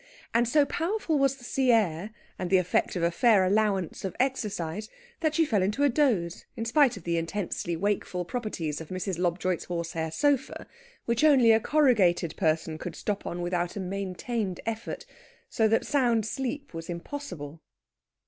And so powerful was the sea air, and the effect of a fair allowance of exercise, that she fell into a doze in spite of the intensely wakeful properties of Mrs. Lobjoit's horsehair sofa, which only a corrugated person could stop on without a maintained effort, so that sound sleep was impossible.